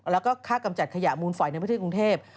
แล้วก็ค่ากำจัดขยะมูลฝอยในประเทศกรุงเทพ